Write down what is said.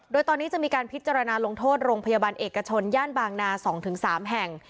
โดยตอนนี้จะมีการพิจารณาลงโทษโรงพยาบาลเอกชนย่านบางนา๒๓แห่ง